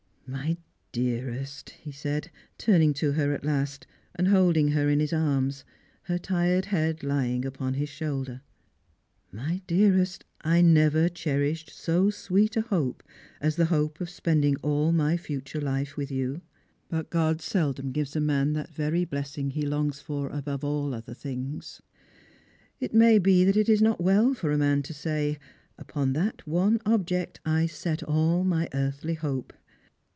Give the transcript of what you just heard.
" My dearest," he said, turning to her at last and holding her in his arms, her tired head lying upon his shoulder, " my dearest, I never cherished so sweet a hope as the hope of spend ing all my future life with you; but God seldom gives a man ■» that very blessing he longs for above all other things. It may be that it is not well for a man to say, ' U])on that one object I set all my earthly hope.'